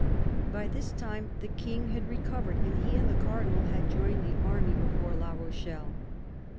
By this time the King had recovered, and he and the Cardinal had joined the army before La Rochelle.